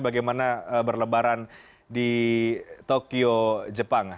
bagaimana berlebaran di tokyo jepang